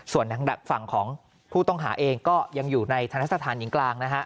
ส่วนทางฝั่งของผู้ต้องหาเองก็ยังอยู่ในธนสถานหญิงกลางนะฮะ